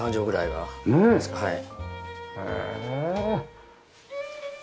はい。